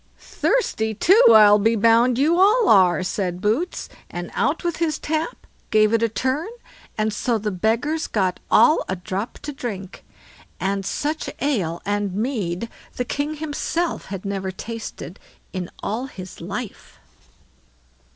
"Thirsty, too, I'll be bound you all are", said Boots, and out with his tap, gave it a turn, and so the beggars got all a drop to drink; and such ale and mead the king himself had never tasted in all his life.